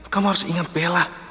kamu harus ingat bella